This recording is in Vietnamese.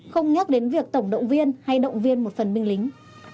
không nhắc đến việc tổng động viên hay động viên một phần binh lính